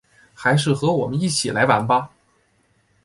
还是和我们一起来玩吧